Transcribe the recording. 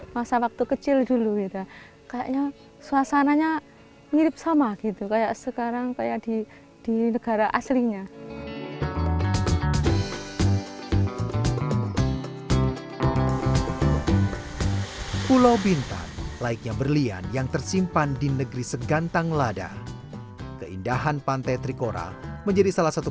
masa waktu kecil dulu gitu kayaknya suasananya mirip sama gitu